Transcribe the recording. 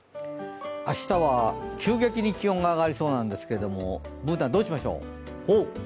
明日は急激に気温が上がりそうなんですけれども、Ｂｏｏｎａ、どうしましょう。